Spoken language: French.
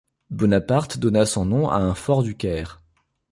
Bonaparte donna son nom à un fort du Caire.